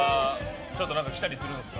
ちょっと着たりするんですか？